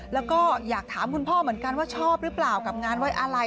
แล้วก็อยากถามคุณพ่อเหมือนกันว่าชอบหรือเปล่ากับงานไว้อะไร